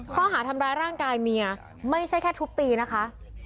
ข้อหาทำร้ายร่างกายเมียไม่ใช่แค่ทุบตีนะคะ